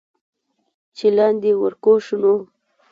چې لاندې ورکوز شو نو